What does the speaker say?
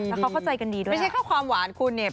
แล้วเขาเข้าใจกันดีด้วยไม่ใช่แค่ความหวานคุณเนี่ย